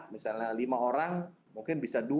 misalnya lima orang mungkin bisa dua